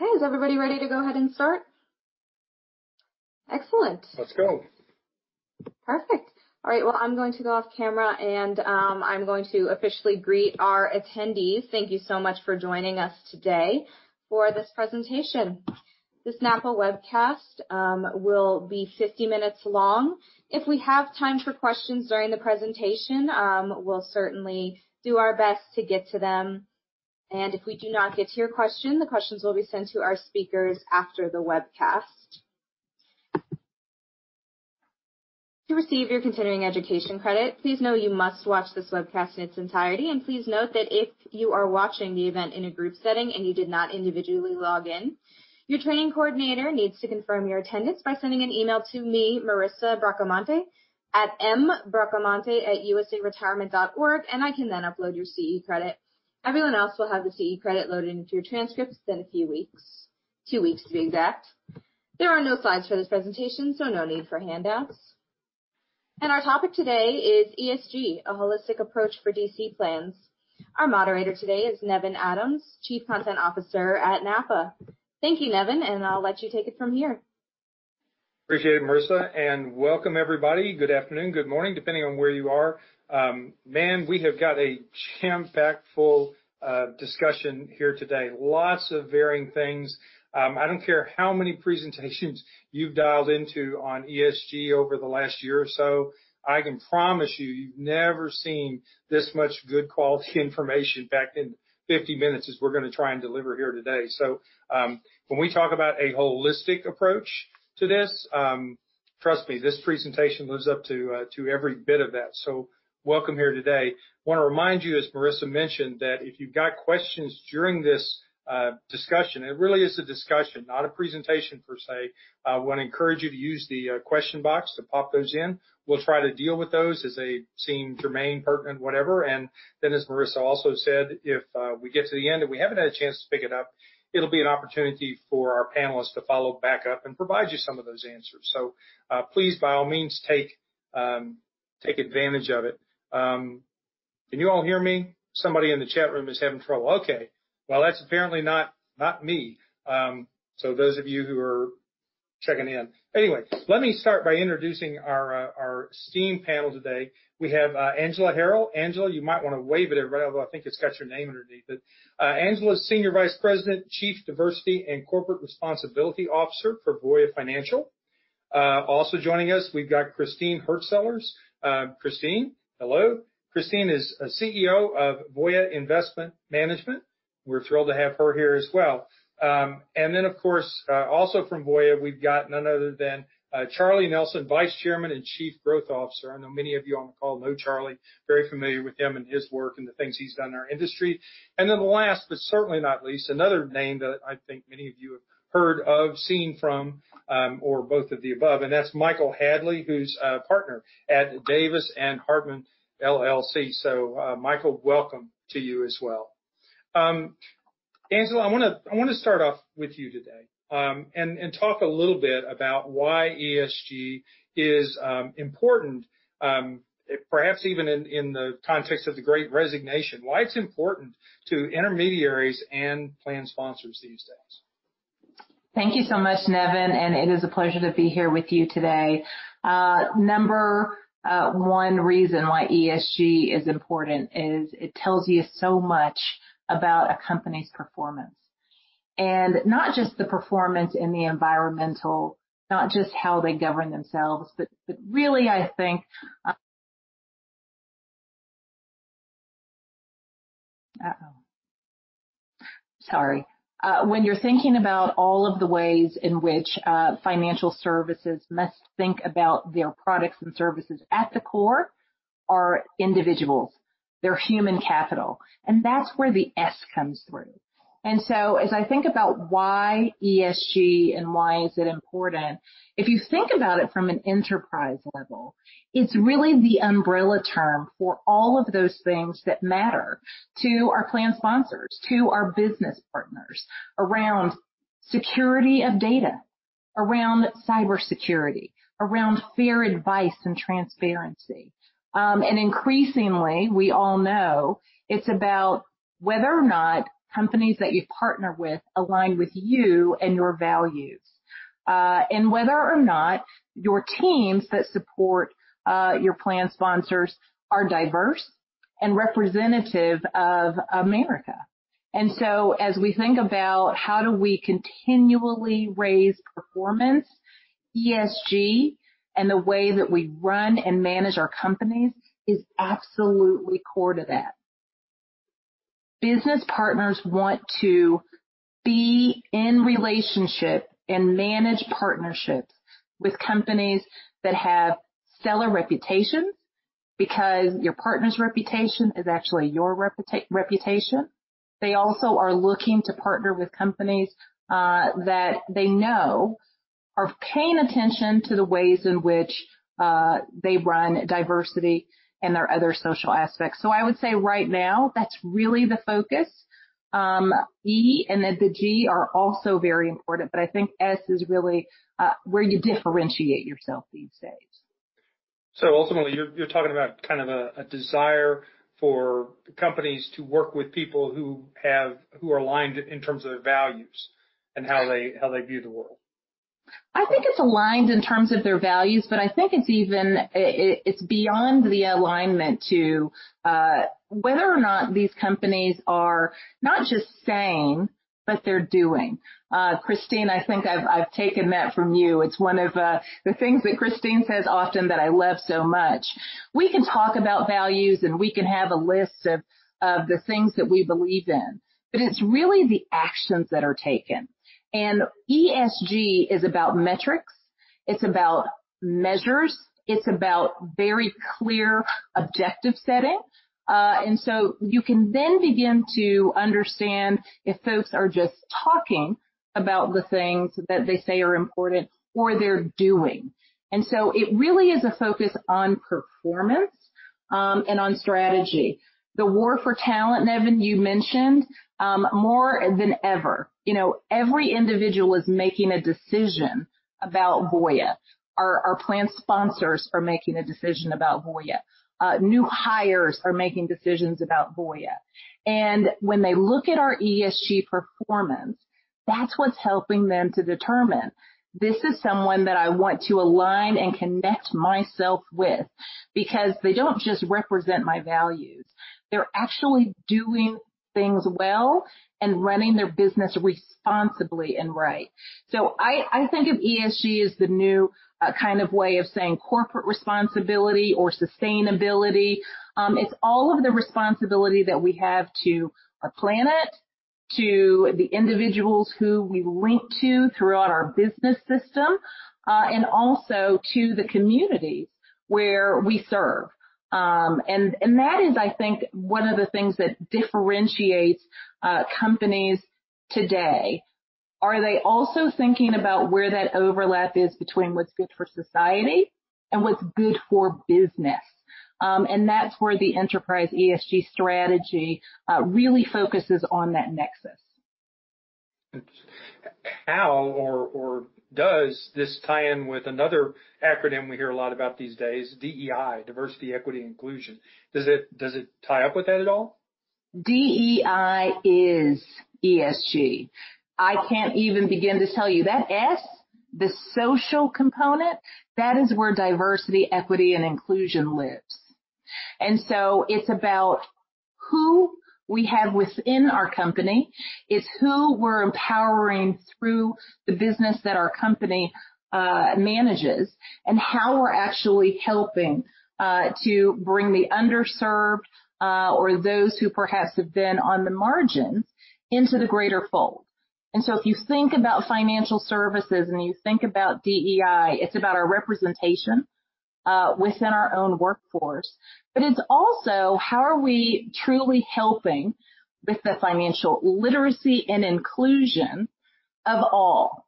Okay. Is everybody ready to go ahead and start? Excellent. Let's go. Perfect. All right, well, I'm going to go off camera and I'm going to officially greet our attendees. Thank you so much for joining us today for this presentation. This NAPA webcast will be 50 minutes long. If we have time for questions during the presentation, we'll certainly do our best to get to them. If we do not get to your question, the questions will be sent to our speakers after the webcast. To receive your continuing education credit, please know you must watch this webcast in its entirety. Please note that if you are watching the event in a group setting and you did not individually log in, your training coordinator needs to confirm your attendance by sending an email to me, Marissa Braccamonte, at mbraccamonte@usaretirement.org, and I can then upload your CE credit. Everyone else will have the CE credit loaded into your transcripts within a few weeks. Two weeks to be exact. There are no slides for this presentation, so no need for handouts. Our topic today is ESG: A Holistic Approach for DC Plans. Our moderator today is Nevin Adams, Chief Content Officer at NAPA. Thank you, Nevin, and I'll let you take it from here. Appreciate it, Marissa, and welcome everybody. Good afternoon, good morning, depending on where you are. Man, we have got a jam-packed full discussion here today. Lots of varying things. I do not care how many presentations you have dialed into on ESG over the last year or so, I can promise you have never seen this much good quality information packed in 50 minutes as we are going to try and deliver here today. When we talk about a holistic approach to this, trust me, this presentation lives up to every bit of that. Welcome here today. I want to remind you, as Marissa mentioned, that if you have got questions during this discussion, it really is a discussion, not a presentation per se, I want to encourage you to use the question box to pop those in. We will try to deal with those as they seem germane, pertinent, whatever. As Marissa also said, if we get to the end and we have not had a chance to pick it up, it will be an opportunity for our panelists to follow back up and provide you some of those answers. Please, by all means, take advantage of it. Can you all hear me? Somebody in the chat room is having trouble. Okay. That is apparently not me, so those of you who are checking in. Anyway, let me start by introducing our esteemed panel today. We have Angela Harrell. Angela, you might want to wave it, but I think it has got your name underneath it. Angela is Senior Vice President, Chief Diversity, and Corporate Responsibility Officer for Voya Financial. Also joining us, we have got Christine Hurtsellers. Christine, hello. Christine is CEO of Voya Investment Management. We are thrilled to have her here as well. Of course, also from Voya, we have got none other than Charlie Nelson, Vice Chairman and Chief Growth Officer. I know many of you on the call know Charlie. Very familiar with him and his work and the things he has done in our industry. The last, but certainly not least, another name that I think many of you have heard of, seen from, or both of the above, and that is Michael Hadley, who is a partner at Davis & Harman LLP. Michael, welcome to you as well. Angela, I want to start off with you today, and talk a little bit about why ESG is important, perhaps even in the context of the great resignation. Why it is important to intermediaries and plan sponsors these days. Thank you so much, Nevin, it is a pleasure to be here with you today. Number one reason why ESG is important is it tells you so much about a company's performance. Not just the performance in the environmental, not just how they govern themselves, but really when you are thinking about all of the ways in which financial services must think about their products and services, at the core are individuals. They are human capital. That is where the S comes through. As I think about why ESG and why is it important, if you think about it from an enterprise level, it is really the umbrella term for all of those things that matter to our plan sponsors, to our business partners around security of data, around cybersecurity, around fair advice and transparency. Increasingly, we all know it's about whether or not companies that you partner with align with you and your values. Whether or not your teams that support your plan sponsors are diverse and representative of America. As we think about how do we continually raise performance, ESG and the way that we run and manage our companies is absolutely core to that. Business partners want to be in relationship and manage partnerships with companies that have stellar reputations because your partner's reputation is actually your reputation. They also are looking to partner with companies that they know are paying attention to the ways in which they run diversity and their other social aspects. I would say right now, that's really the focus. E and then the G are also very important, but I think S is really where you differentiate yourself these days. Ultimately, you're talking about kind of a desire for companies to work with people who are aligned in terms of their values and how they view the world. I think it's aligned in terms of their values, but I think it's beyond the alignment to whether or not these companies are not just saying, but they're doing. Christine, I think I've taken that from you. It's one of the things that Christine says often that I love so much. We can talk about values, and we can have a list of the things that we believe in, but it's really the actions that are taken. ESG is about metrics. It's about measures. It's about very clear objective setting. You can then begin to understand if folks are just talking about the things that they say are important or they're doing. It really is a focus on performance and on strategy. The war for talent, Nevin, you mentioned, more than ever. Every individual is making a decision about Voya. Our plan sponsors are making a decision about Voya. New hires are making decisions about Voya. When they look at our ESG performance, that's what's helping them to determine, this is someone that I want to align and connect myself with because they don't just represent my values. They're actually doing things well and running their business responsibly and right. I think of ESG as the new kind of way of saying corporate responsibility or sustainability. It's all of the responsibility that we have to our planet, to the individuals who we link to throughout our business system, and also to the communities where we serve. That is, I think, one of the things that differentiates companies today. Are they also thinking about where that overlap is between what's good for society and what's good for business? That's where the enterprise ESG strategy really focuses on that nexus. How or does this tie in with another acronym we hear a lot about these days, DEI, diversity, equity, inclusion? Does it tie up with that at all? DEI is ESG. I can't even begin to tell you. That S, the social component, that is where diversity, equity, and inclusion lives. It's about who we have within our company. It's who we're empowering through the business that our company manages and how we're actually helping to bring the underserved, or those who perhaps have been on the margins, into the greater fold. If you think about financial services and you think about DEI, it's about our representation within our own workforce. It's also how are we truly helping with the financial literacy and inclusion of all.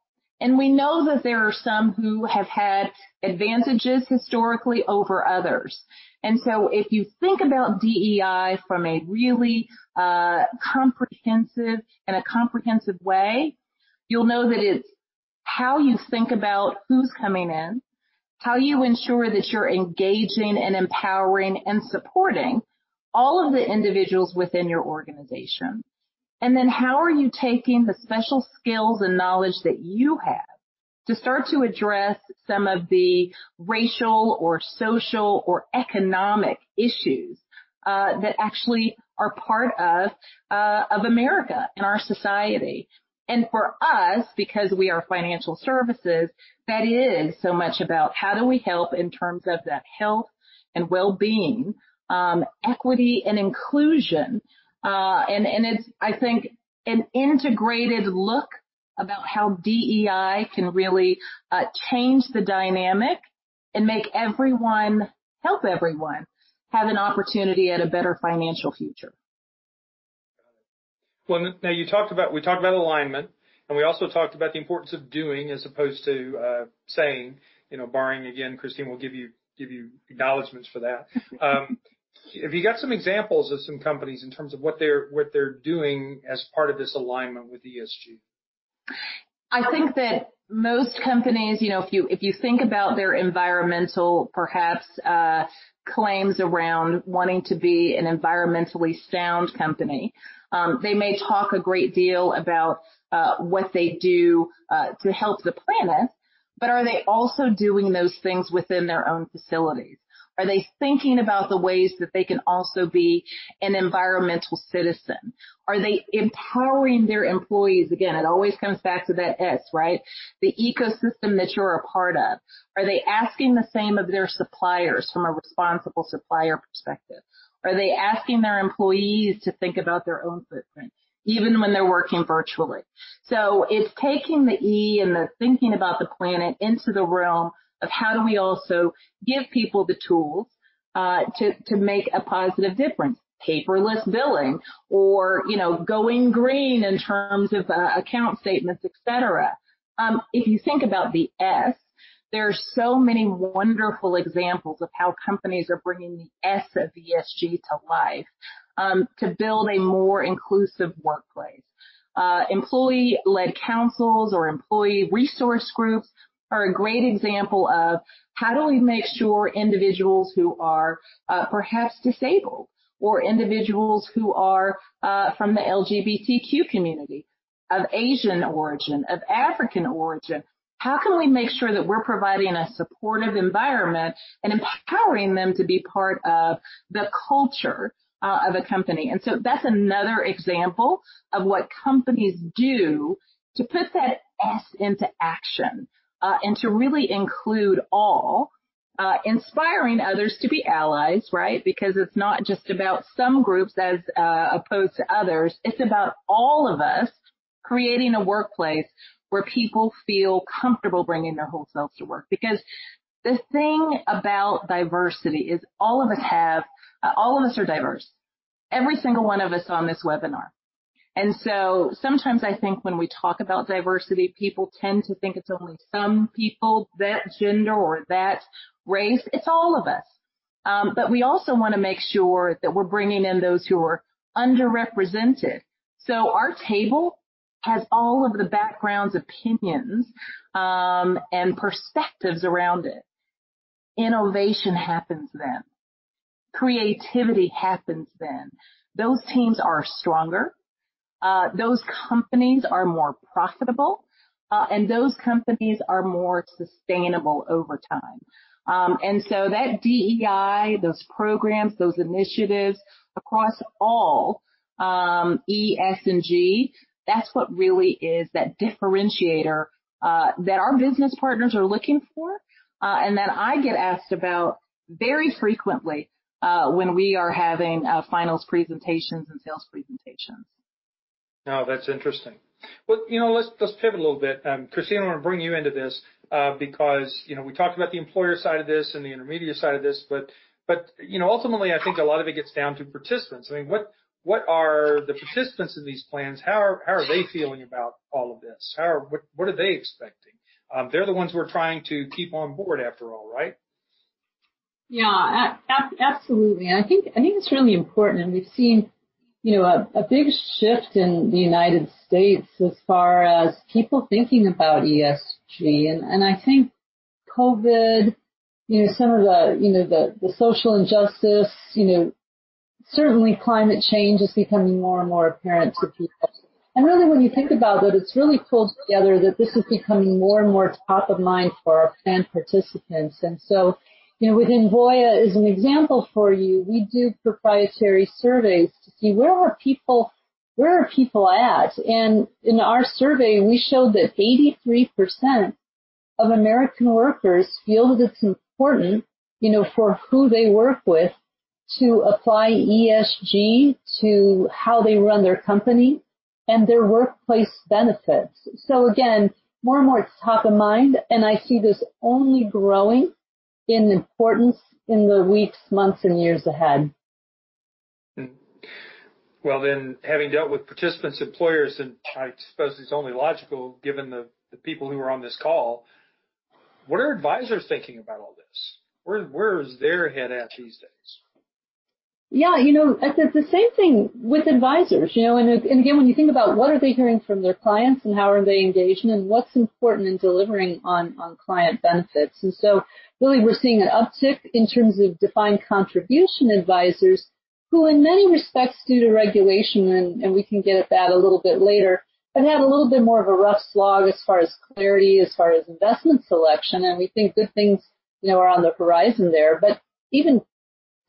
We know that there are some who have had advantages historically over others. If you think about DEI from a really comprehensive way, you'll know that it's how you think about who's coming in, how you ensure that you're engaging and empowering and supporting all of the individuals within your organization. Then how are you taking the special skills and knowledge that you have to start to address some of the racial or social or economic issues that actually are part of America and our society. For us, because we are financial services, that is so much about how do we help in terms of that health and well-being, equity and inclusion. It's, I think, an integrated look about how DEI can really change the dynamic and make everyone help everyone have an opportunity at a better financial future. Got it. Well, now we talked about alignment, and we also talked about the importance of doing as opposed to saying, borrowing again, Christine will give you acknowledgments for that. Have you got some examples of some companies in terms of what they're doing as part of this alignment with ESG? I think that most companies, if you think about their environmental, perhaps, claims around wanting to be an environmentally sound company, they may talk a great deal about what they do to help the planet, but are they also doing those things within their own facilities? Are they thinking about the ways that they can also be an environmental citizen? Are they empowering their employees? Again, it always comes back to that S, right? The ecosystem that you're a part of. Are they asking the same of their suppliers from a responsible supplier perspective? Are they asking their employees to think about their own footprint, even when they're working virtually? It's taking the E and the thinking about the planet into the realm of how do we also give people the tools to make a positive difference. Paperless billing or going green in terms of account statements, et cetera. If you think about the S, there are so many wonderful examples of how companies are bringing the S of ESG to life to build a more inclusive workplace. Employee-led councils or employee resource groups are a great example of how do we make sure individuals who are perhaps disabled, or individuals who are from the LGBTQ community, of Asian origin, of African origin, how can we make sure that we're providing a supportive environment and empowering them to be part of the culture of a company? That's another example of what companies do to put that S into action, and to really include all. Inspiring others to be allies, right? Because it's not just about some groups as opposed to others. It's about all of us creating a workplace where people feel comfortable bringing their whole selves to work. Because the thing about diversity is all of us are diverse, every single one of us on this webinar. Sometimes I think when we talk about diversity, people tend to think it's only some people, that gender or that race. It's all of us. We also want to make sure that we're bringing in those who are underrepresented. Our table has all of the backgrounds, opinions, and perspectives around it. Innovation happens then. Creativity happens then. Those teams are stronger, those companies are more profitable, and those companies are more sustainable over time. That DEI, those programs, those initiatives across all E, S, and G, that's what really is that differentiator that our business partners are looking for, and that I get asked about very frequently, when we are having finals presentations and sales presentations. Oh, that's interesting. Let's pivot a little bit. Christine, I want to bring you into this, because we talked about the employer side of this and the intermediate side of this, but ultimately I think a lot of it gets down to participants. What are the participants in these plans, how are they feeling about all of this? What are they expecting? They're the ones who we're trying to keep on board after all, right? Yeah. Absolutely. I think it's really important, and we've seen a big shift in the U.S. as far as people thinking about ESG. I think COVID, some of the social injustice, certainly climate change is becoming more and more apparent to people. Really when you think about that, it's really pulled together that this is becoming more and more top of mind for our plan participants. Within Voya as an example for you, we do proprietary surveys to see where are people at. In our survey, we showed that 83% of American workers feel that it's important for who they work with to apply ESG to how they run their company and their workplace benefits. Again, more and more it's top of mind, and I see this only growing in importance in the weeks, months, and years ahead. Having dealt with participants, employers, and I suppose it's only logical, given the people who are on this call, what are advisors thinking about all this? Where is their head at these days? Yeah. It's the same thing with advisors. Again, when you think about what are they hearing from their clients and how are they engaging and what's important in delivering on client benefits. Really we're seeing an uptick in terms of Defined Contribution advisors who in many respects due to regulation, and we can get at that a little bit later, have had a little bit more of a rough slog as far as clarity, as far as investment selection, and we think good things are on the horizon there.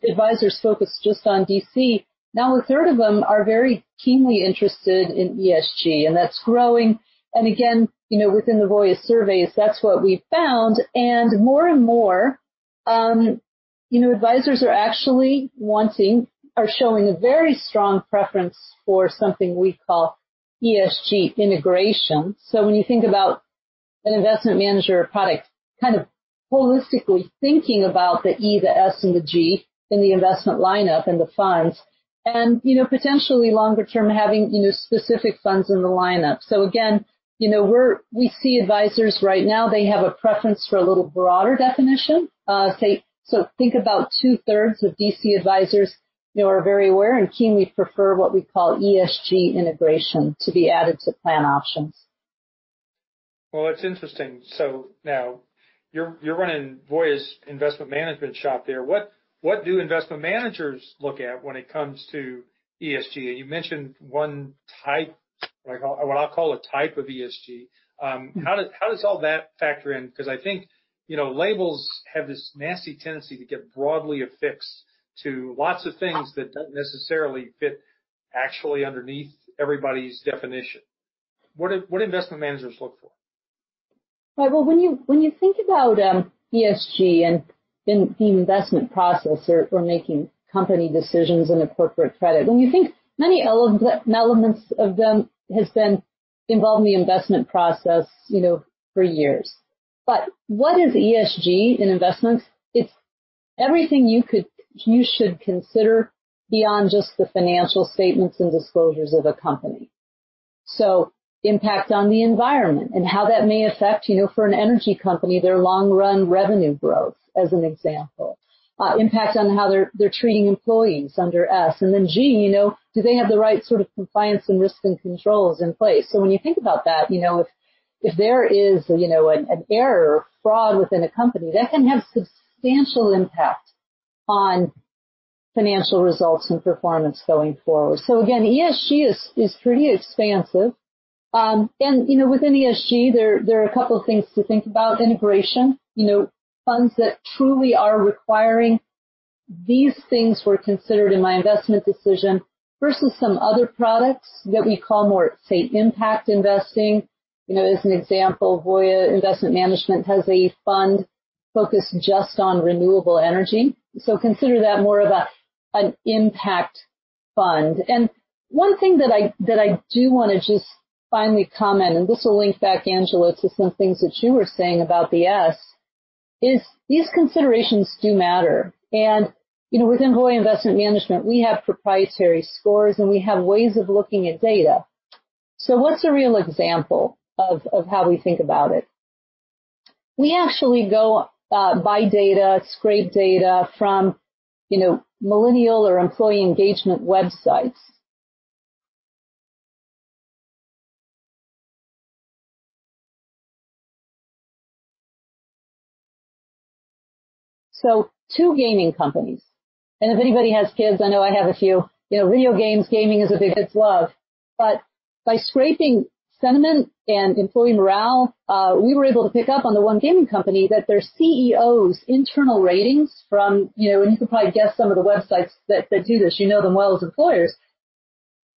Even advisors focused just on DC, now a third of them are very keenly interested in ESG, and that's growing. Again, within the Voya surveys, that's what we've found. More and more, advisors are actually wanting or showing a very strong preference for something we call ESG integration. When you think about an investment manager product, kind of holistically thinking about the E, the S, and the G in the investment lineup and the funds. Potentially longer term, having specific funds in the lineup. Again, we see advisors right now, they have a preference for a little broader definition. Think about two-thirds of DC advisors are very aware and keenly prefer what we call ESG integration to be added to plan options. Well, that's interesting. Now you're running Voya Investment Management shop there. What do investment managers look at when it comes to ESG? You mentioned one type, what I'll call a type of ESG. How does all that factor in? Because I think labels have this nasty tendency to get broadly affixed to lots of things that don't necessarily fit actually underneath everybody's definition. What do investment managers look for? Right. Well, when you think about ESG and the investment process or making company decisions in a corporate credit, when you think many elements of them has been involved in the investment process for years. What is ESG in investments? It's everything you should consider beyond just the financial statements and disclosures of a company. Impact on the environment and how that may affect, for an energy company, their long-run revenue growth, as an example. Impact on how they're treating employees under S. G, do they have the right sort of compliance and risk and controls in place? When you think about that, if there is an error, fraud within a company, that can have substantial impact on financial results and performance going forward. Again, ESG is pretty expansive. Within ESG, there are a couple of things to think about. Integration, funds that truly are requiring these things were considered in my investment decision versus some other products that we call more, say, impact investing. As an example, Voya Investment Management has a fund focused just on renewable energy. Consider that more of an impact fund. One thing that I do want to just finally comment, and this will link back, Angela, to some things that you were saying about the S, is these considerations do matter. Within Voya Investment Management, we have proprietary scores, and we have ways of looking at data. What's a real example of how we think about it? We actually go buy data, scrape data from millennial or employee engagement websites. Two gaming companies. If anybody has kids, I know I have a few, video games, gaming is a big hit love. By scraping sentiment and employee morale, we were able to pick up on the one gaming company that their CEO's internal ratings from, and you could probably guess some of the websites that do this, you know them well as employers,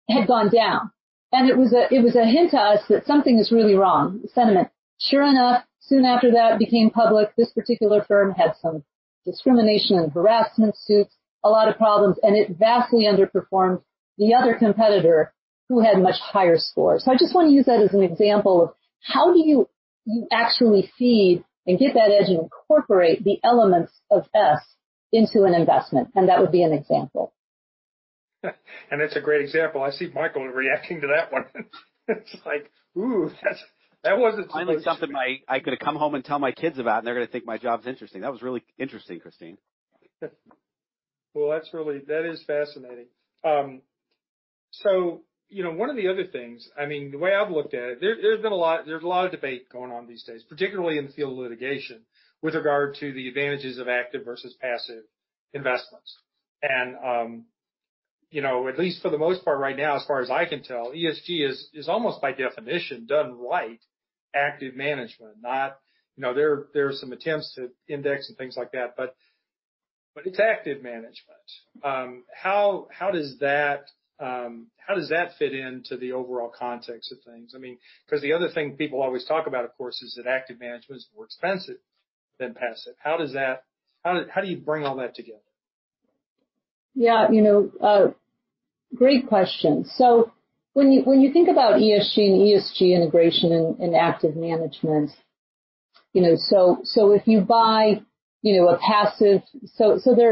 had gone down. It was a hint to us that something is really wrong, the sentiment. Sure enough, soon after that became public, this particular firm had some discrimination and harassment suits, a lot of problems, and it vastly underperformed the other competitor who had much higher scores. I just want to use that as an example of how do you actually see and get that edge and incorporate the elements of S into an investment? That would be an example. That's a great example. I see Michael reacting to that one. It's like, ooh. Finally something I could come home and tell my kids about, and they're going to think my job's interesting. That was really interesting, Christine. Well, that is fascinating. One of the other things, the way I've looked at it, there's a lot of debate going on these days, particularly in the field of litigation, with regard to the advantages of active versus passive investments. At least for the most part right now, as far as I can tell, ESG is almost by definition, done right active management. There are some attempts to index and things like that, but it's active management. How does that fit into the overall context of things? Because the other thing people always talk about, of course, is that active management is more expensive than passive. How do you bring all that together? Yeah. Great question. When you think about ESG and ESG integration and active management. There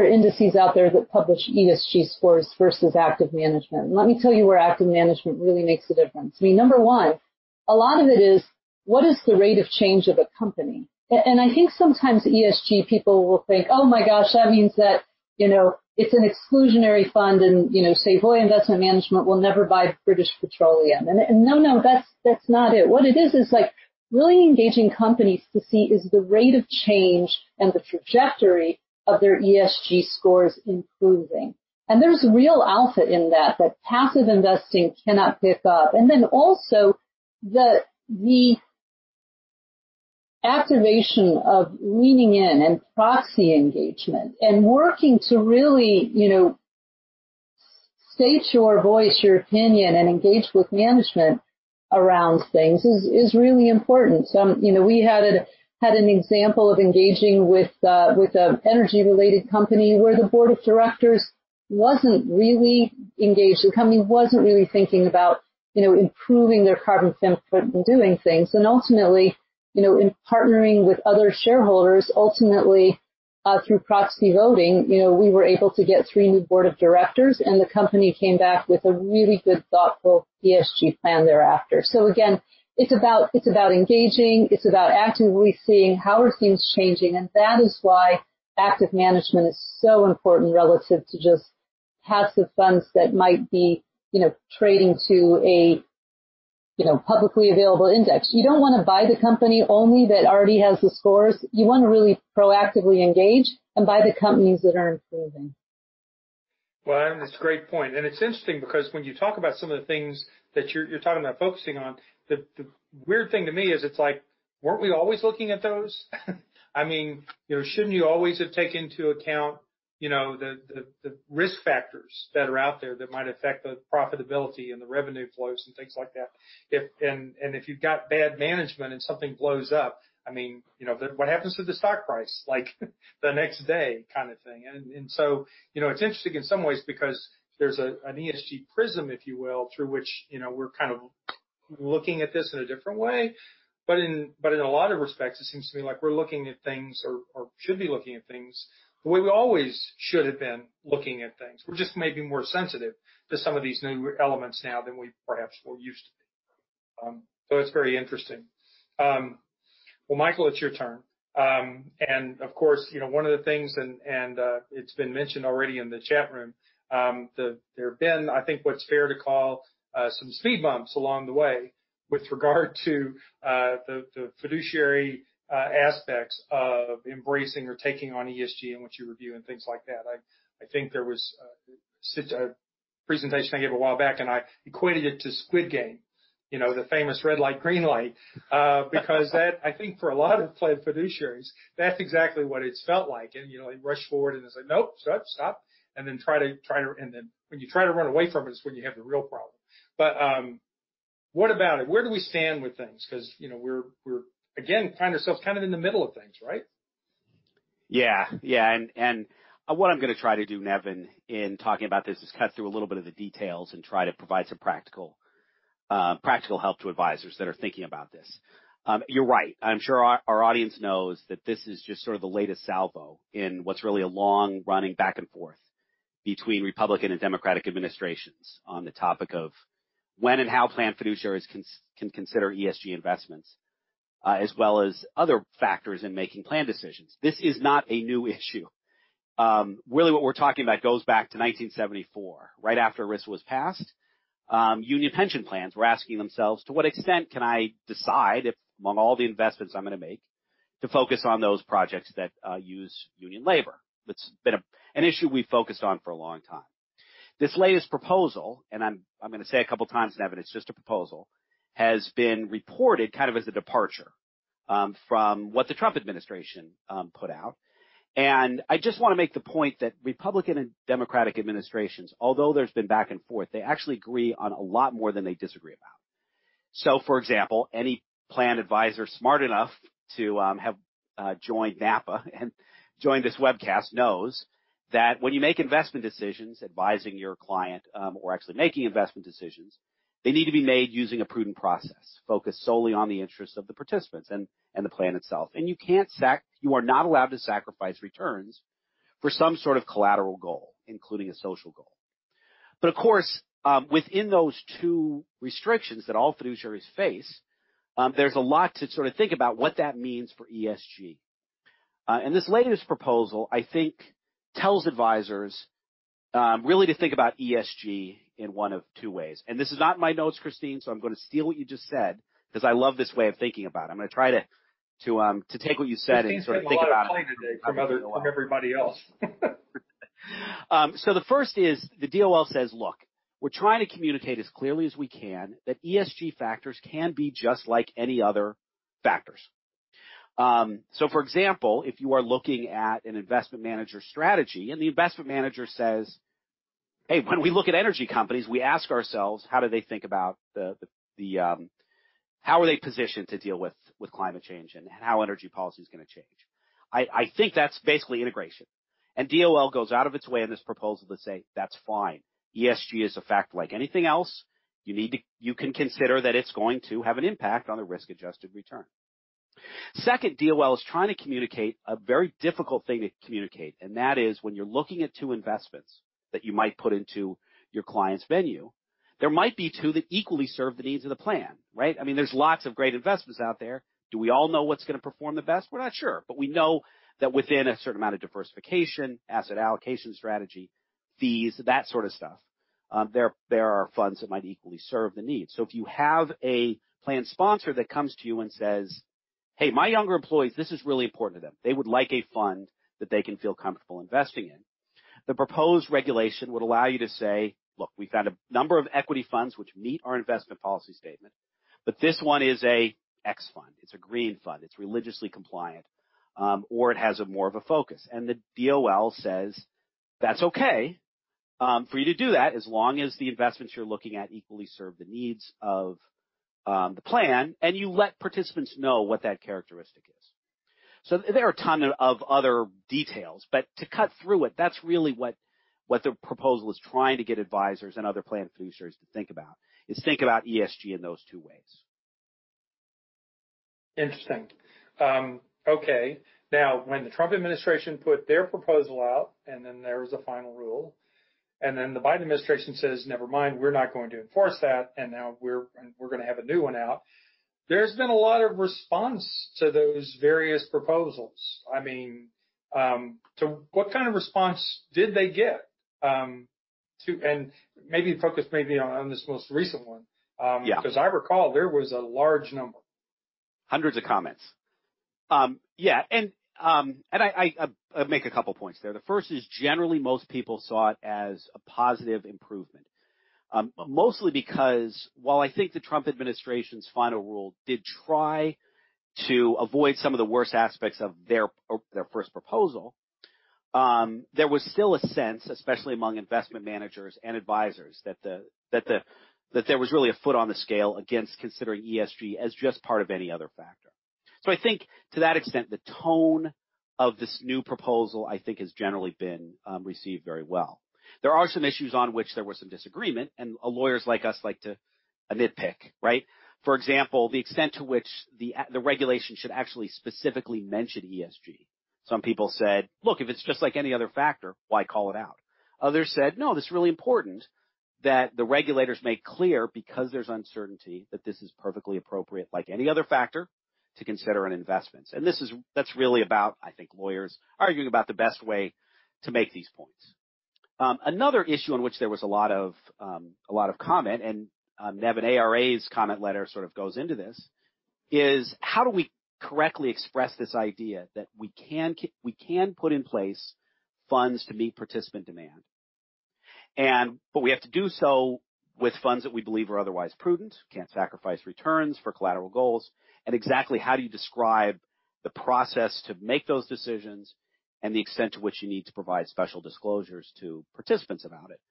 are indices out there that publish ESG scores versus active management, and let me tell you where active management really makes a difference. Number one, a lot of it is what is the rate of change of a company? I think sometimes ESG people will think, "Oh my gosh, that means that it's an exclusionary fund," and say, "Voya Investment Management will never buy British Petroleum" No, that's not it. What it is like really engaging companies to see is the rate of change and the trajectory of their ESG scores improving. There's real alpha in that passive investing cannot pick up. Also the activation of leaning in and proxy engagement and working to really state your voice, your opinion, and engage with management around things is really important. We had an example of engaging with an energy-related company where the board of directors wasn't really engaged. The company wasn't really thinking about improving their carbon footprint and doing things. Ultimately, in partnering with other shareholders, ultimately through proxy voting, we were able to get three new board of directors, and the company came back with a really good, thoughtful ESG plan thereafter. Again, it's about engaging, it's about actively seeing how are things changing, and that is why active management is so important relative to just passive funds that might be trading to a publicly available index. You don't want to buy the company only that already has the scores. You want to really proactively engage and buy the companies that are improving. Well, that's a great point. It's interesting because when you talk about some of the things that you're talking about focusing on, the weird thing to me is it's like, weren't we always looking at those? Shouldn't you always have taken into account the risk factors that are out there that might affect the profitability and the revenue flows and things like that? If you've got bad management and something blows up, what happens to the stock price the next day kind of thing. It's interesting in some ways because there's an ESG prism, if you will, through which we're kind of looking at this in a different way. In a lot of respects, it seems to me like we're looking at things, or should be looking at things, the way we always should have been looking at things. We're just maybe more sensitive to some of these new elements now than we perhaps were used to be. It's very interesting. Well, Michael, it's your turn. Of course, one of the things, and it's been mentioned already in the chat room, there have been, I think, what's fair to call some speed bumps along the way with regard to the fiduciary aspects of embracing or taking on ESG in which you review and things like that. I think there was a presentation I gave a while back, and I equated it to Squid Game. The famous red light, green light. That, I think for a lot of plan fiduciaries, that's exactly what it's felt like. You rush forward, and it's like, "Nope. Stop, stop." Then when you try to run away from it is when you have the real problem. What about it? Where do we stand with things? We're again, find ourselves kind of in the middle of things, right? Yeah. What I'm going to try to do, Nevin, in talking about this, is cut through a little bit of the details and try to provide some practical help to advisors that are thinking about this. You're right. I'm sure our audience knows that this is just sort of the latest salvo in what's really a long-running back and forth between Republican and Democratic administrations on the topic of when and how plan fiduciaries can consider ESG investments, as well as other factors in making plan decisions. This is not a new issue. Really what we're talking about goes back to 1974, right after ERISA was passed. Union pension plans were asking themselves, "To what extent can I decide if, among all the investments I'm going to make, to focus on those projects that use union labor?" That's been an issue we focused on for a long time. This latest proposal, I'm going to say a couple of times, Nevin, it's just a proposal, has been reported as a departure from what the Trump administration put out. I just want to make the point that Republican and Democratic administrations, although there's been back and forth, they actually agree on a lot more than they disagree about. For example, any plan advisor smart enough to have joined NAPA and join this webcast knows that when you make investment decisions advising your client or actually making investment decisions, they need to be made using a prudent process focused solely on the interests of the participants and the plan itself. You are not allowed to sacrifice returns for some sort of collateral goal, including a social goal. Of course, within those two restrictions that all fiduciaries face, there's a lot to think about what that means for ESG. This latest proposal, I think, tells advisors really to think about ESG in one of two ways. This is not in my notes, Christine, so I'm going to steal what you just said because I love this way of thinking about it. I'm going to try to take what you said and sort of think about it. Christine's getting a lot of play today from everybody else. The first is the DOL says, "Look, we're trying to communicate as clearly as we can that ESG factors can be just like any other factors." For example, if you are looking at an investment manager strategy and the investment manager says, "Hey, when we look at energy companies, we ask ourselves, how are they positioned to deal with climate change and how energy policy is going to change?" I think that's basically integration. DOL goes out of its way in this proposal to say, "That's fine. ESG is a factor like anything else. You can consider that it's going to have an impact on the risk-adjusted return." Second, DOL is trying to communicate a very difficult thing to communicate, and that is when you're looking at two investments that you might put into your client's venue, there might be two that equally serve the needs of the plan, right? There's lots of great investments out there. Do we all know what's going to perform the best? We're not sure. We know that within a certain amount of diversification, asset allocation strategy, fees, that sort of stuff, there are funds that might equally serve the need. If you have a plan sponsor that comes to you and says, "Hey, my younger employees, this is really important to them. They would like a fund that they can feel comfortable investing in." The proposed regulation would allow you to say, "Look, we found a number of equity funds which meet our investment policy statement, but this one is a X fund, it's a green fund, it's religiously compliant, or it has a more of a focus." The DOL says that's okay for you to do that as long as the investments you're looking at equally serve the needs of the plan and you let participants know what that characteristic is. There are a ton of other details, but to cut through it, that's really what the proposal is trying to get advisors and other plan fiduciaries to think about, is think about ESG in those two ways. Interesting. Okay. Now, when the Trump administration put their proposal out, and then there was a final rule, and then the Biden administration says, "Never mind, we're not going to enforce that. Now we're going to have a new one out." There's been a lot of response to those various proposals. What kind of response did they get? Maybe focus maybe on this most recent one. Yeah. I recall there was a large number. Hundreds of comments. Yeah. I make a couple points there. The first is generally, most people saw it as a positive improvement. Mostly because while I think the Trump administration's final rule did try to avoid some of the worst aspects of their first proposal, there was still a sense, especially among investment managers and advisors, that there was really a foot on the scale against considering ESG as just part of any other factor. I think to that extent, the tone of this new proposal, I think, has generally been received very well. There are some issues on which there was some disagreement, and lawyers like us like to nitpick, right? For example, the extent to which the regulation should actually specifically mention ESG. Some people said, "Look, if it's just like any other factor, why call it out?" Others said, "No, this is really important that the regulators make clear because there's uncertainty that this is perfectly appropriate, like any other factor, to consider in investments." That's really about, I think, lawyers arguing about the best way to make these points. Another issue on which there was a lot of comment and Nevin, an ARA's comment letter sort of goes into this, is how do we correctly express this idea that we can put in place funds to meet participant demand. We have to do so with funds that we believe are otherwise prudent, can't sacrifice returns for collateral goals, and exactly how do you describe the process to make those decisions and the extent to which you need to provide special disclosures to participants about it?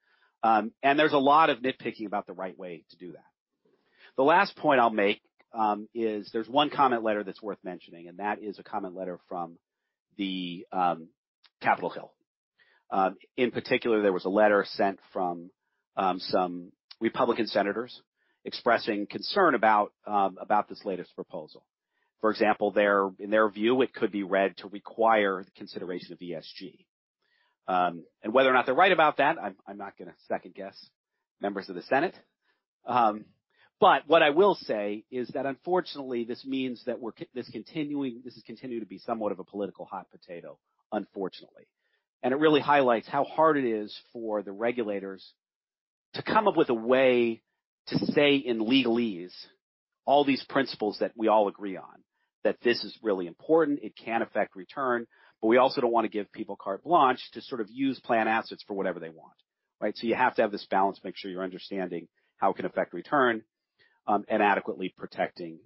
There's a lot of nitpicking about the right way to do that. The last point I'll make is there's one comment letter that's worth mentioning, and that is a comment letter from the Capitol Hill. In particular, there was a letter sent from some Republican senators expressing concern about this latest proposal. For example, in their view, it could be read to require the consideration of ESG. Whether or not they're right about that, I'm not going to second-guess members of the Senate. What I will say is that unfortunately, this means that this has continued to be somewhat of a political hot potato, unfortunately. It really highlights how hard it is for the regulators to come up with a way to say in legalese all these principles that we all agree on, that this is really important, it can affect return. We also don't want to give people carte blanche to sort of use plan assets for whatever they want. Right? You have to have this balance, make sure you're understanding how it can affect return, and adequately protecting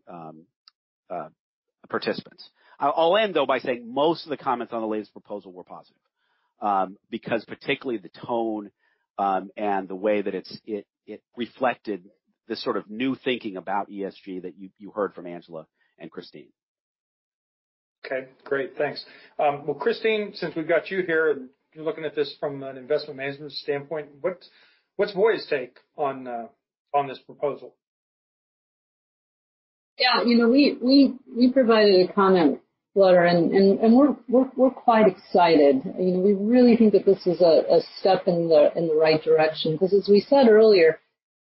participants. I'll end, though, by saying most of the comments on the latest proposal were positive. Because particularly the tone, and the way that it reflected this sort of new thinking about ESG that you heard from Angela and Christine. Okay, great. Thanks. Christine, since we've got you here and you're looking at this from an investment management standpoint, what's Voya's take on this proposal? Yeah. We provided a comment letter and we're quite excited. We really think that this is a step in the right direction because as we said earlier,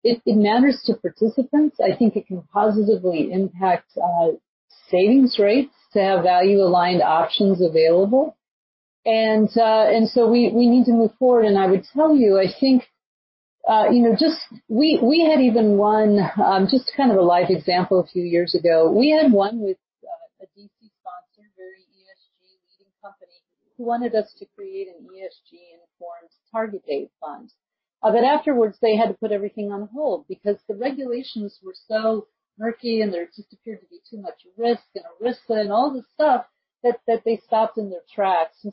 it matters to participants. I think it can positively impact savings rates to have value-aligned options available. We need to move forward. I would tell you, I think we had even one just kind of a live example a few years ago. We had one with a DC sponsor, very ESG leading company, who wanted us to create an ESG-informed target date fund. Afterwards, they had to put everything on hold because the regulations were so murky and there just appeared to be too much risk and ERISA and all this stuff that they stopped in their tracks.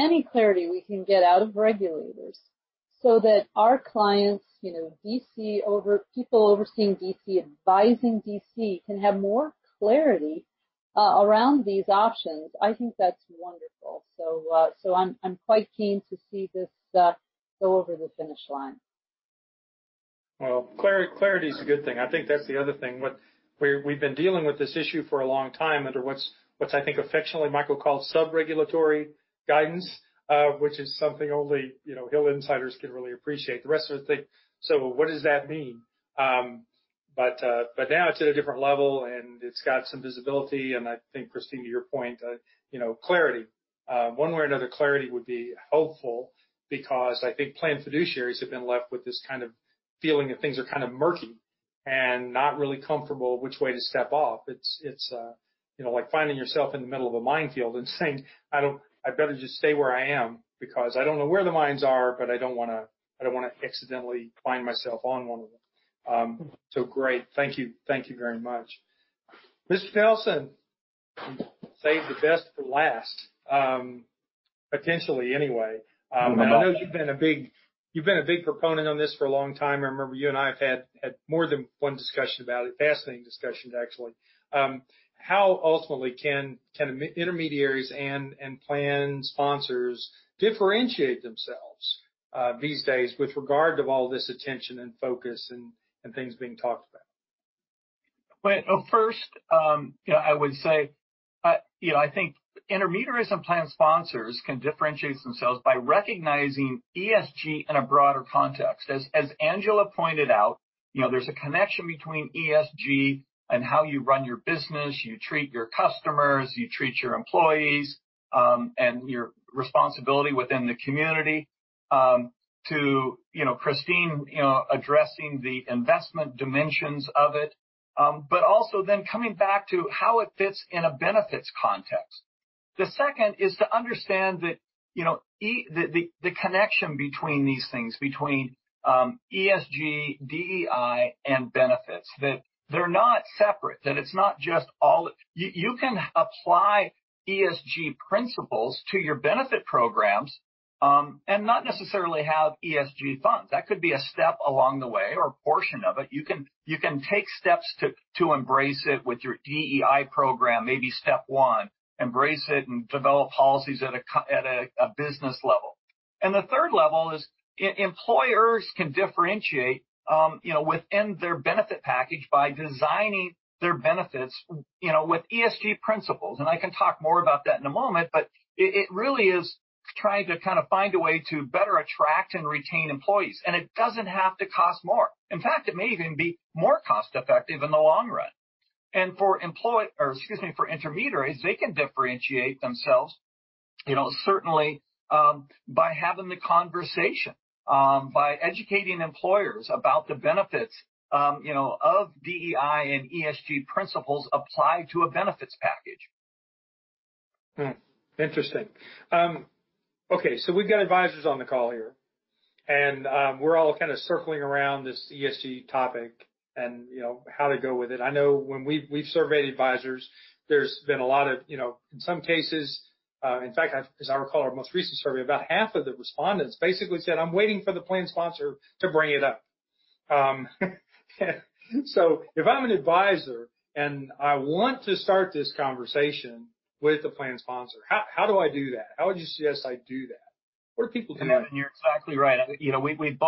Any clarity we can get out of regulators so that our clients, people overseeing DC, advising DC, can have more clarity around these options, I think that's wonderful. I'm quite keen to see this go over the finish line. Well, clarity is a good thing. I think that's the other thing. We've been dealing with this issue for a long time under what's I think affectionately Michael called sub-regulatory guidance, which is something only Hill insiders can really appreciate. The rest of us think, "What does that mean?" Now it's at a different level and it's got some visibility and I think Christine, to your point, clarity. One way or another, clarity would be helpful because I think plan fiduciaries have been left with this kind of feeling that things are kind of murky and not really comfortable which way to step off. It's like finding yourself in the middle of a minefield and saying, "I'd better just stay where I am because I don't know where the mines are, but I don't want to accidentally find myself on one of them." Great. Thank you very much. Mr. Nelson, saved the best for last. Potentially anyway. No. I know you've been a big proponent on this for a long time. I remember you and I have had more than one discussion about it. Fascinating discussions, actually. How ultimately can intermediaries and plan sponsors differentiate themselves these days with regard to all this attention and focus and things being talked about? Well, first, I would say I think intermediaries and plan sponsors can differentiate themselves by recognizing ESG in a broader context. As Angela pointed out, there's a connection between ESG and how you run your business, you treat your customers, you treat your employees, and your responsibility within the community. To Christine addressing the investment dimensions of it. Also then coming back to how it fits in a benefits context. Second is to understand the connection between these things, between ESG, DEI, and benefits. That they're not separate, that it's not just all you can apply ESG principles to your benefit programs, and not necessarily have ESG funds. That could be a step along the way or a portion of it. You can take steps to embrace it with your DEI program. Maybe step 1, embrace it and develop policies at a business level. Third level is employers can differentiate within their benefit package by designing their benefits with ESG principles. I can talk more about that in a moment, but it really is trying to find a way to better attract and retain employees. It doesn't have to cost more. In fact, it may even be more cost-effective in the long run. For intermediaries, they can differentiate themselves, certainly, by having the conversation, by educating employers about the benefits of DEI and ESG principles applied to a benefits package. Hmm. Interesting. Okay, we've got advisors on the call here, we're all kind of circling around this ESG topic and how to go with it. I know when we've surveyed advisors, in fact, as I recall, our most recent survey, about half of the respondents basically said, "I'm waiting for the plan sponsor to bring it up." If I'm an advisor and I want to start this conversation with the plan sponsor, how do I do that? How would you suggest I do that? Where do people come in? Nevin, you're exactly right. We've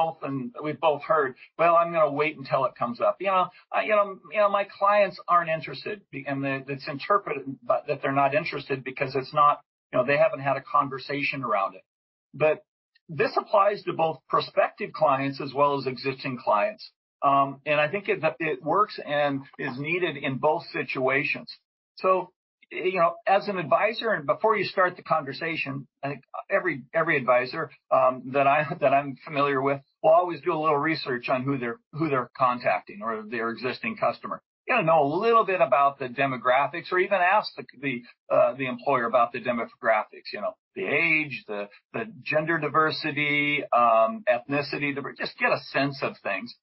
both heard, "Well, I'm going to wait until it comes up. My clients aren't interested." It's interpreted that they're not interested because they haven't had a conversation around it. This applies to both prospective clients as well as existing clients. I think it works and is needed in both situations. As an advisor and before you start the conversation, I think every advisor that I'm familiar with will always do a little research on who they're contacting or their existing customer. You got to know a little bit about the demographics or even ask the employer about the demographics. The age, the gender diversity, ethnicity. Just get a sense of things.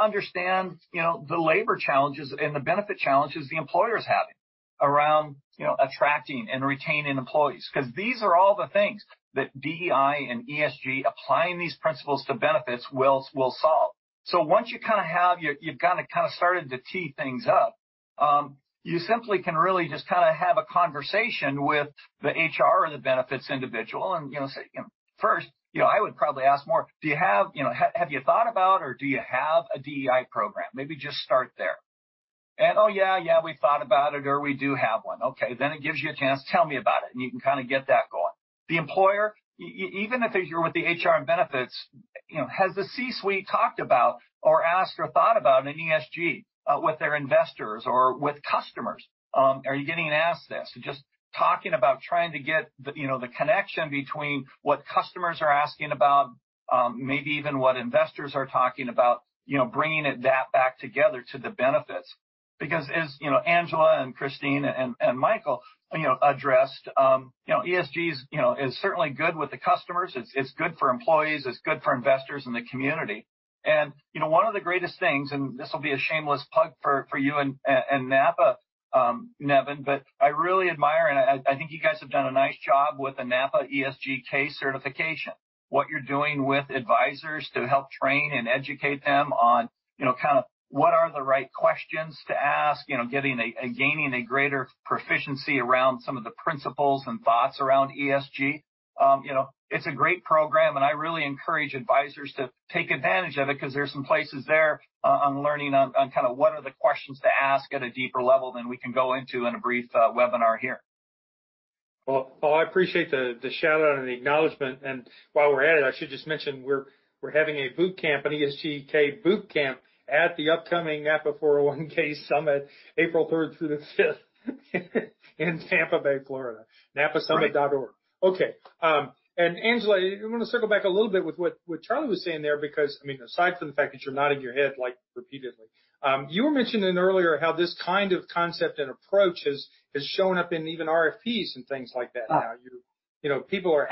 Understand the labor challenges and the benefit challenges the employer's having around attracting and retaining employees. These are all the things that DEI and ESG, applying these principles to benefits will solve. Once you've kind of started to tee things up, you simply can really just have a conversation with the HR or the benefits individual and say, first, I would probably ask more, "Have you thought about or do you have a DEI program?" Maybe just start there. "Oh, yeah, we thought about it," or, "We do have one." Okay. It gives you a chance, "Tell me about it," and you can kind of get that going. The employer, even if you're with the HR and benefits, has the C-suite talked about or asked or thought about an ESG with their investors or with customers? Are you getting an asset? Just talking about trying to get the connection between what customers are asking about, maybe even what investors are talking about, bringing that back together to the benefits. As Angela and Christine and Michael addressed, ESG is certainly good with the customers. It's good for employees. It's good for investors in the community. One of the greatest things, this will be a shameless plug for you and NAPA, Nevin, I really admire, and I think you guys have done a nice job with the NAPA ESG(k) Certification. What you're doing with advisors to help train and educate them on what are the right questions to ask, gaining a greater proficiency around some of the principles and thoughts around ESG. It's a great program, I really encourage advisors to take advantage of it because there's some places there on learning on what are the questions to ask at a deeper level than we can go into in a brief webinar here. I appreciate the shout-out and the acknowledgement. While we're at it, I should just mention we're having a boot camp, an ESG(k) boot camp at the upcoming NAPA 401(k) Summit, April 3rd through the 5th in Tampa Bay, Florida. napasummit.org. Okay. Angela, I'm going to circle back a little bit with what Charlie was saying there because, aside from the fact that you're nodding your head repeatedly, you were mentioning earlier how this kind of concept and approach has shown up in even RFPs and things like that now. Absolutely. People are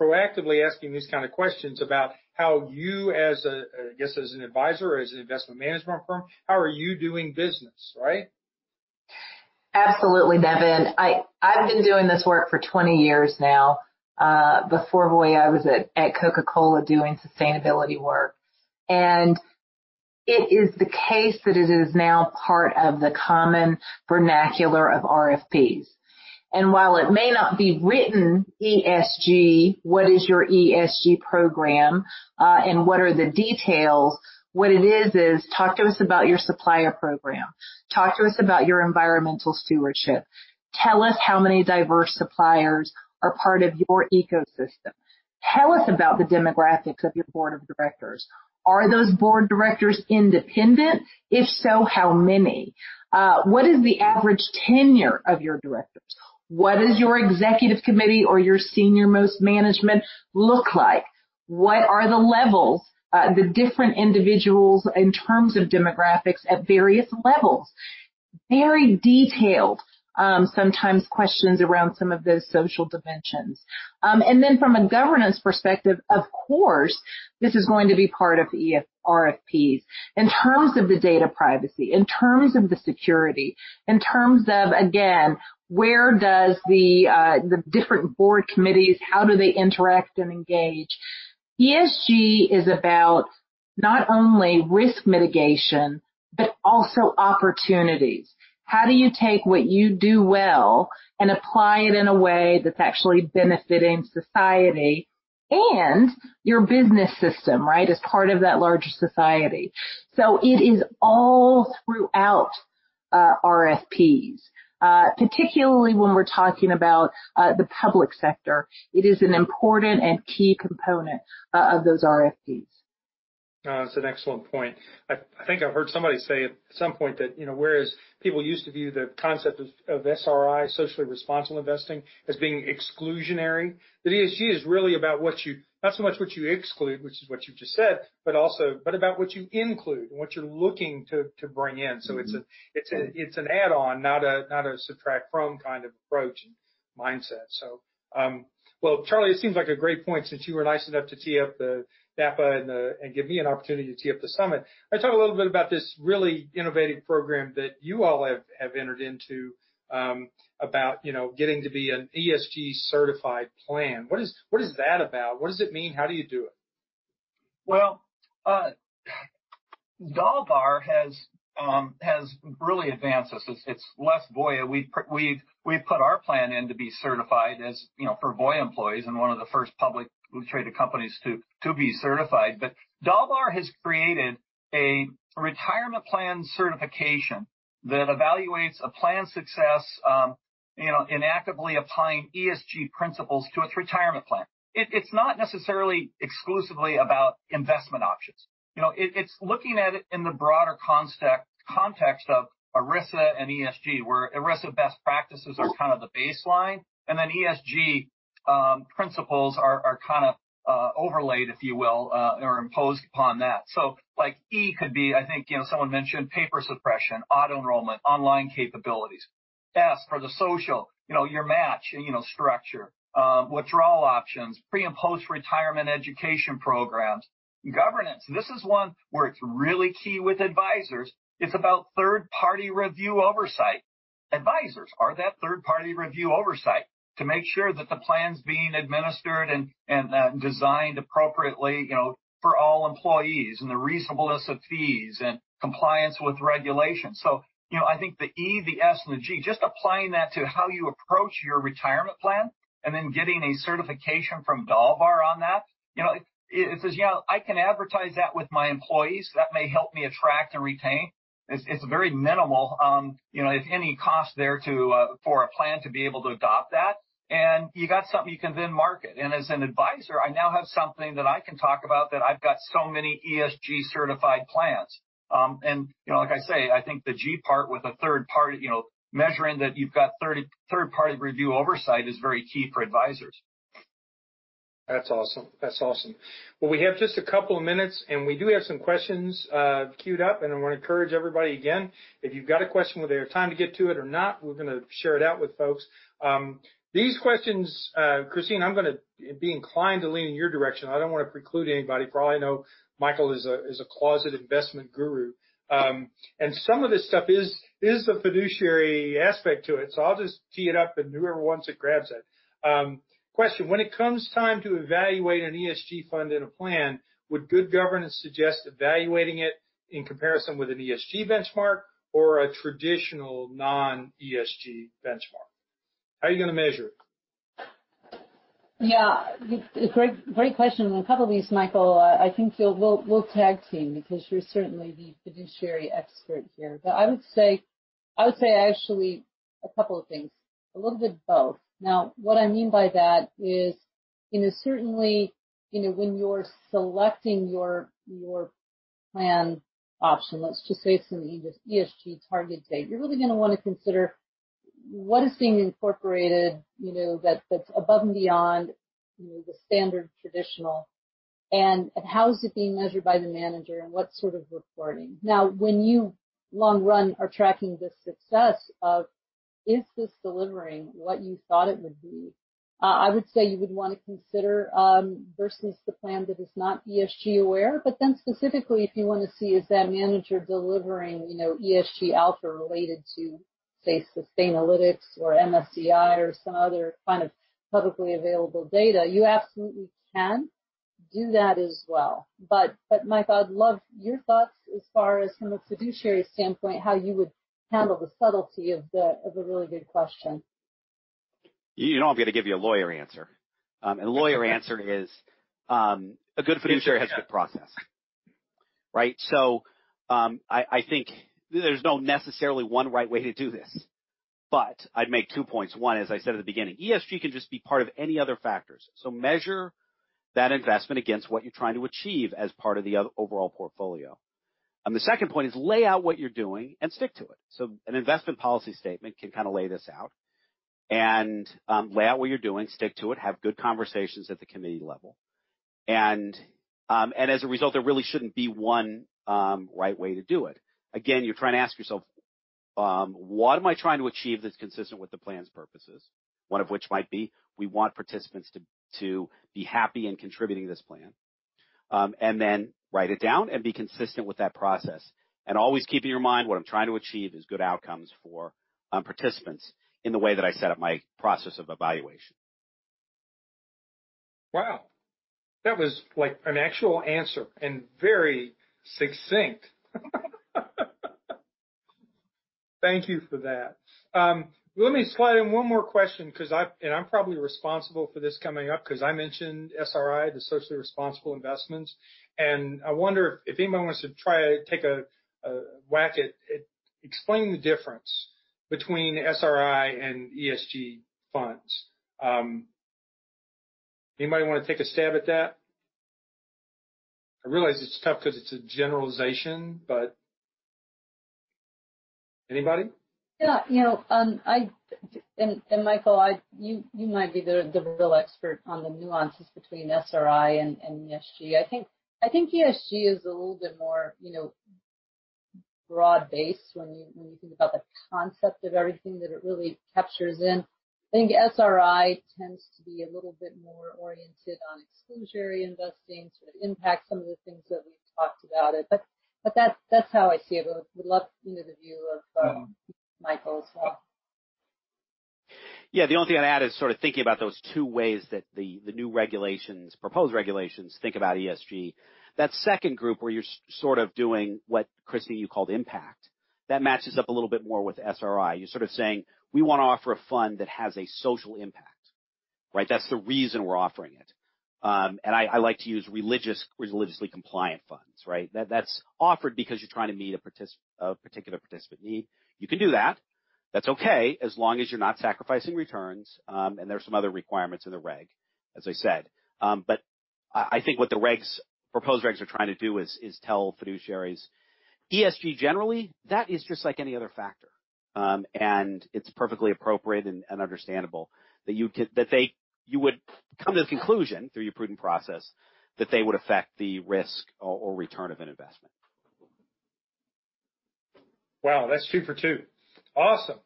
proactively asking these kind of questions about how you as an advisor or as an investment management firm, how are you doing business, right? Absolutely, Nevin. I've been doing this work for 20 years now. Before Voya, I was at Coca-Cola doing sustainability work. It is the case that it is now part of the common vernacular of RFPs. While it may not be written, "ESG, what is your ESG program, and what are the details?" What it is, "Talk to us about your supplier program. Talk to us about your environmental stewardship. Tell us how many diverse suppliers are part of your ecosystem. Tell us about the demographics of your board of directors. Are those board directors independent? If so, how many? What is the average tenure of your directors? What is your executive committee or your senior-most management look like? What are the levels, the different individuals in terms of demographics at various levels?" Very detailed, sometimes questions around some of those social dimensions. From a governance perspective, of course, this is going to be part of RFPs. In terms of the data privacy, in terms of the security, in terms of, again, where does the different board committees, how do they interact and engage? ESG is about not only risk mitigation, but also opportunities. How do you take what you do well and apply it in a way that's actually benefiting society and your business system, right? As part of that larger society. It is all throughout RFPs, particularly when we're talking about the public sector. It is an important and key component of those RFPs. That's an excellent point. I think I've heard somebody say at some point that, whereas people used to view the concept of SRI, socially responsible investing, as being exclusionary, that ESG is really about not so much what you exclude, which is what you've just said, but about what you include and what you're looking to bring in. It's an add-on, not a subtract from kind of approach and mindset. Well, Charlie, it seems like a great point since you were nice enough to tee up the NAPA and give me an opportunity to tee up the summit. Talk a little bit about this really innovative program that you all have entered into about getting to be an ESG-certified plan. What is that about? What does it mean? How do you do it? Well, DALBAR has really advanced this. It's less Voya. We've put our plan in to be certified as for Voya employees and one of the first public traded companies to be certified. DALBAR has created a retirement plan certification that evaluates a plan's success in actively applying ESG principles to its retirement plan. It's not necessarily exclusively about investment options. It's looking at it in the broader context of ERISA and ESG, where ERISA best practices are kind of the baseline, and then ESG principles are kind of overlaid, if you will or imposed upon that. E could be, I think someone mentioned paper suppression, auto-enrollment, online capabilities. S, for the social, your match structure, withdrawal options, pre- and post-retirement education programs. Governance, this is one where it's really key with advisors. It's about third-party review oversight. Advisors are that third-party review oversight to make sure that the plan's being administered and designed appropriately for all employees and the reasonableness of fees and compliance with regulations. I think the E, the S, and the G, just applying that to how you approach your retirement plan and then getting a certification from DALBAR on that. It says, I can advertise that with my employees. That may help me attract and retain. It's very minimal if any cost there for a plan to be able to adopt that. You got something you can then market. As an advisor, I now have something that I can talk about that I've got so many ESG-certified plans. Like I say, I think the G part with a third party measuring that you've got third-party review oversight is very key for advisors. That's awesome. Well, we have just a couple of minutes, and we do have some questions queued up, and I want to encourage everybody again, if you've got a question, whether you have time to get to it or not, we're going to share it out with folks. These questions, Christine, I'm going to be inclined to lean in your direction. I don't want to preclude anybody. For all I know, Michael is a closet investment guru. Some of this stuff is a fiduciary aspect to it. I'll just tee it up, and whoever wants it grabs it. Question, when it comes time to evaluate an ESG fund in a plan, would good governance suggest evaluating it in comparison with an ESG benchmark or a traditional non-ESG benchmark? How are you going to measure it? Yeah. Great question. A couple of these, Michael, I think we'll tag team because you're certainly the fiduciary expert here. I would say, actually, a couple of things. A little bit of both. What I mean by that is certainly, when you're selecting your plan option, let's just say it's an ESG target date, you're really going to want to consider what is being incorporated that's above and beyond the standard traditional, and how is it being measured by the manager and what sort of reporting. When you long run are tracking the success of, is this delivering what you thought it would be? I would say you would want to consider versus the plan that is not ESG aware. Specifically, if you want to see is that manager delivering ESG alpha related to, say, Sustainalytics or MSCI or some other kind of publicly available data. You absolutely can do that as well. Michael, I'd love your thoughts as far as from a fiduciary standpoint, how you would handle the subtlety of the really good question. You know I'm going to give you a lawyer answer. A lawyer answer is a good fiduciary has good process. Right? I think there's no necessarily 1 right way to do this, but I'd make 2 points. One, as I said at the beginning, ESG can just be part of any other factors. Measure that investment against what you're trying to achieve as part of the overall portfolio. The second point is lay out what you're doing and stick to it. An investment policy statement can kind of lay this out. Lay out what you're doing, stick to it, have good conversations at the committee level. As a result, there really shouldn't be 1 right way to do it. Again, you're trying to ask yourself, what am I trying to achieve that's consistent with the plan's purposes? One of which might be we want participants to be happy and contributing to this plan. Write it down and be consistent with that process. Always keep in your mind what I'm trying to achieve is good outcomes for participants in the way that I set up my process of evaluation. Wow. That was an actual answer and very succinct. Thank you for that. Let me slide in one more question, and I'm probably responsible for this coming up because I mentioned SRI, the socially responsible investments, and I wonder if anyone wants to try take a whack at explaining the difference between SRI and ESG funds. Anybody want to take a stab at that? I realize it's tough because it's a generalization, but anybody? Yeah. Michael, you might be the real expert on the nuances between SRI and ESG. I think ESG is a little bit more broad-based when you think about the concept of everything that it really captures in. I think SRI tends to be a little bit more oriented on exclusionary investing, sort of impact some of the things that we've talked about. That's how I see it. Would love the view of- Michael as well. Yeah. The only thing I'd add is sort of thinking about those two ways that the new proposed regulations think about ESG. That second group where you're sort of doing what, Christine, you called impact. That matches up a little bit more with SRI. You're sort of saying: We want to offer a fund that has a social impact, right? That's the reason we're offering it. I like to use religiously compliant funds, right? That's offered because you're trying to meet a particular participant need. You can do that. That's okay as long as you're not sacrificing returns, and there are some other requirements in the reg, as I said. I think what the proposed regs are trying to do is tell fiduciaries, ESG generally, that is just like any other factor. It's perfectly appropriate and understandable that you would come to the conclusion through your prudent process that they would affect the risk or return of an investment. Wow. That's two for two. Awesome.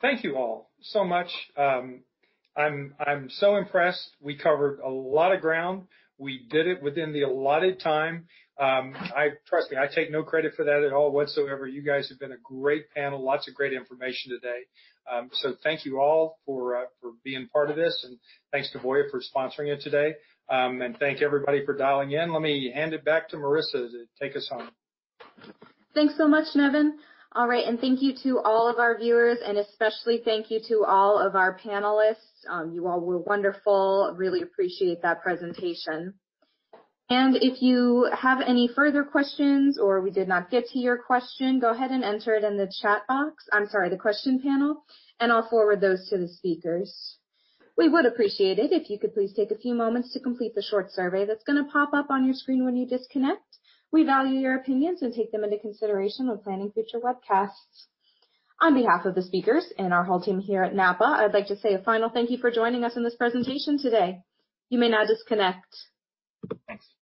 Thank you all so much. I'm so impressed. We covered a lot of ground. We did it within the allotted time. Trust me, I take no credit for that at all whatsoever. You guys have been a great panel. Lots of great information today. Thank you all for being part of this, and thanks to Voya for sponsoring it today. Thank everybody for dialing in. Let me hand it back to Marissa to take us home. Thanks so much, Nevin. All right. Thank you to all of our viewers and especially thank you to all of our panelists. You all were wonderful. Really appreciate that presentation. If you have any further questions or we did not get to your question, go ahead and enter it in the chat box I'm sorry, the question panel, and I'll forward those to the speakers. We would appreciate it if you could please take a few moments to complete the short survey that's going to pop up on your screen when you disconnect. We value your opinions and take them into consideration when planning future webcasts. On behalf of the speakers and our whole team here at NAPA, I'd like to say a final thank you for joining us in this presentation today. You may now disconnect. Thanks.